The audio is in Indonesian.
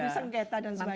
sengketa dan sebagainya